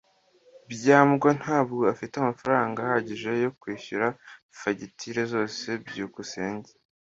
byambo ntabwo afite amafaranga ahagije yo kwishyura fagitire zose. byukusenge